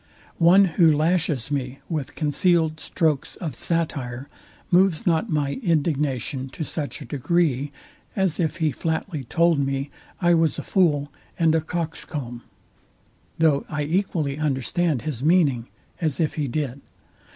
One who lashes me with concealed strokes of satire, moves not my indignation to such a degree, as if he flatly told me I was a fool and coxcomb; though I equally understand his meaning, as if he did.